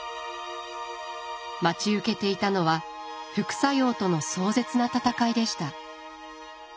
待ち受けていたのは副作用との壮絶な闘いでした。